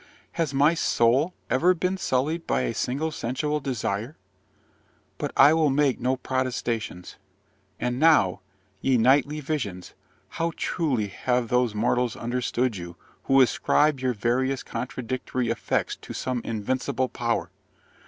Has my soul ever been sullied by a single sensual desire? but I will make no protestations. And now, ye nightly visions, how truly have those mortals understood you, who ascribe your various contradictory effects to some invincible power!